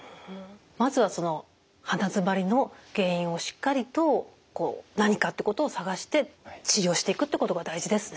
まずはその鼻づまりの原因をしっかりと何かってことを探して治療していくってことが大事ですね。